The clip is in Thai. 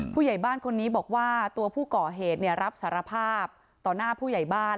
ผู้ใหญ่บ้านคนนี้บอกว่าตัวผู้ก่อเหตุรับสารภาพต่อหน้าผู้ใหญ่บ้าน